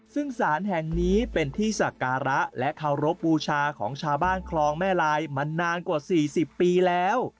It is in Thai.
ซึ่งสารแห่งนี้เป็นที่สักการะและเคารพบูชาของชาวบ้านคลองแม่ลายมานานกว่า๔๐ปีแล้ว